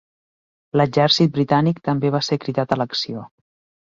L'exèrcit britànic també va ser cridat a l'acció.